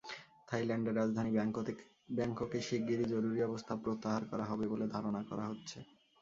থাইল্যান্ডের রাজধানী ব্যাংককে শিগগিরই জরুরি অবস্থা প্রত্যাহার করা হবে বলে ধারণা করা হচ্ছে।